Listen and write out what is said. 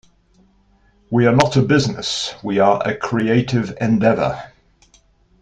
We are not a business, we are a creative endeavour.